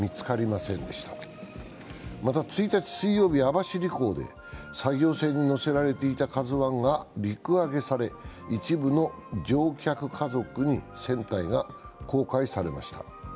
また１日、水曜日、網走港で作業船に載せられていた「ＫＡＺＵⅠ」が陸揚げされ、一部の乗客家族に船体が公開されました。